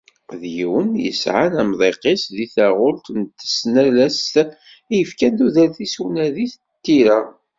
D yiwen yesεan amḍiq-is deg taɣult n tasnalest, i yefkan tudert-is i unadi d tira.